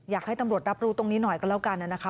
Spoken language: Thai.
อยากให้ตำรวจรับรู้ตรงนี้หน่อยก็แล้วกันนะคะ